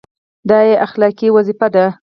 دا یې اخلاقي وظیفه ده.